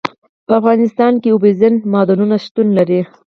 په افغانستان کې اوبزین معدنونه شتون لري.